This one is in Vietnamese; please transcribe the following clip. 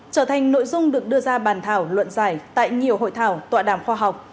trở thành nội dung được đưa ra bàn thảo luận giải tại nhiều hội thảo tọa đàm khoa học